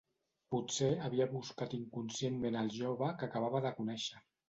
Potser havia buscat inconscientment el jove que acabava de conéixer.